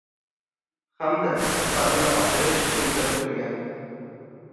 Hamda, sifatini oshirish ko'zda tutilgan.